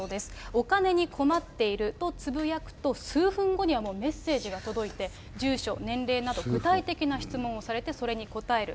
お金に困っているとつぶやくと、数分後にはもうメッセージが届いて、住所、年齢など具体的な質問をされて、それに答える。